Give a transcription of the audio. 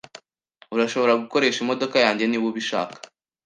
Urashobora gukoresha imodoka yanjye, niba ubishaka.